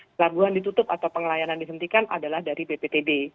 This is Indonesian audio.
pelabuhan ditutup atau pengelayanan dihentikan adalah dari bptd